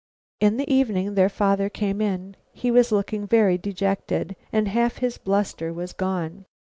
In the evening their father came in. He was looking very dejected, and half his bluster was gone.